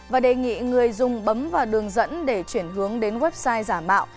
và đề nghị người dùng bấm vào đường dẫn để chuyển hướng đến website giả mạo